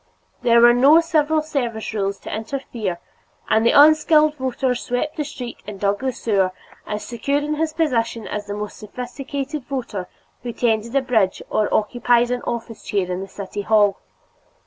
There were no civil service rules to interfere, and the unskilled voter swept the street and dug the sewer, as secure in his position as the more sophisticated voter who tended a bridge or occupied an office chair in the city hall.